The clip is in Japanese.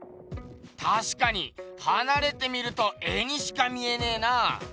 たしかにはなれて見ると絵にしか見えねえな。